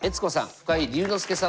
深井龍之介さんです。